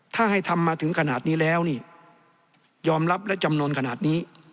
ถ้าให้ทำมาถึงขนาดนี้แล้วนี่ยอมรับและจำนวนขนาดนี้